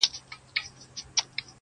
شاعر باید درباري نه وي,